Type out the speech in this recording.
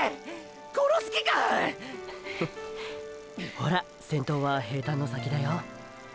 ほら先頭は平坦の先だよ。